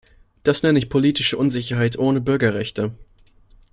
Das nenne ich politische Unsicherheit ohne Bürgerrechte!